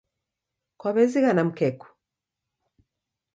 Kwaw'ezighana mkeku